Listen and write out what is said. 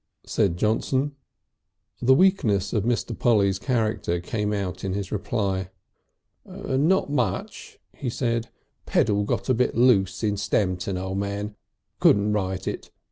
said Johnson. The weakness of Mr. Polly's character came out in his reply. "Not much," he said. "Pedal got a bit loose in Stamton, O' Man. Couldn't ride it.